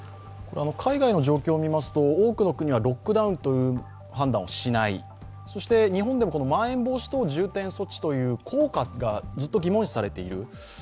海外の状況をみますと多くの国はロックダウンという判断をしないそして、日本でもまん延防止等重点措置の効果がずっと疑問視されている。